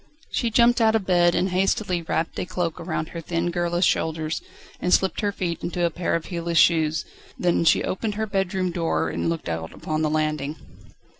She jumped out of bed and hastily wrapped a cloak round her thin girlish shoulders, and slipped her feet into a pair of heelless shoes, then she opened her bedroom door and looked out upon the landing.